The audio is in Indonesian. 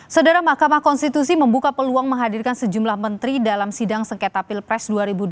saudara mahkamah konstitusi membuka peluang menghadirkan sejumlah menteri dalam sidang sengketa pilpres dua ribu dua puluh